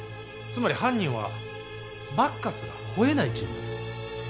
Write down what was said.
つまり犯人はバッカスが吠えない人物。